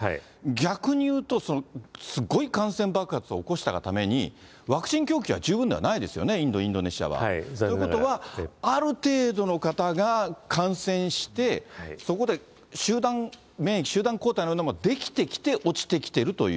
逆に言うと、すごい感染爆発を起こしたがために、ワクチン供給は十分じゃないですよね、インド、インドネシアは。ということは、ある程度の方が感染して、そこで集団免疫、集団抗体のようなものが出来てきて、落ちてきているという。